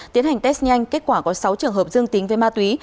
tiến hành test nhanh kết quả có sáu trường hợp dương tính với ma túy